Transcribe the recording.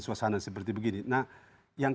suasana seperti begini nah yang